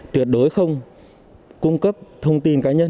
tuyệt đối không cung cấp thông tin cá nhân